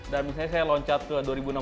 dan misalnya saya loncat ke dua ribu enam belas